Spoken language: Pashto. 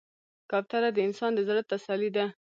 کوتره د انسان د زړه تسلي ده.